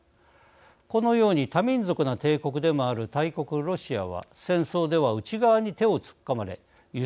このように多民族な帝国でもある大国ロシアは戦争では内側に手を突っ込まれ揺さぶられてきました。